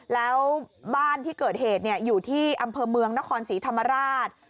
แล้วบ้านที่เกิดเหตุอยู่ที่อำเภอเมืองนครศรีธรรมราช